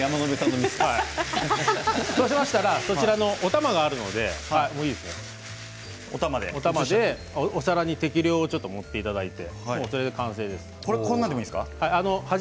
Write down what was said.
そうしたら、おたまがあるのでおたまで移してお皿に適量を盛っていただいてそれで完成です。